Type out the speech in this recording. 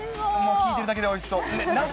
聞いてるだけでおいしそう。